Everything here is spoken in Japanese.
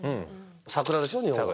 桜でしょ日本は。